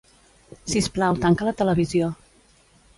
Sisplau, tanca la televisió.